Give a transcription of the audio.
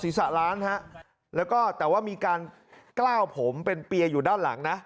ร้านฮะแล้วก็แต่ว่ามีการกล้าวผมเป็นเปียอยู่ด้านหลังนะ